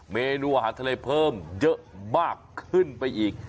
เมนูอาหารทะเลเพิ่มเยอะมากขึ้นไปอีก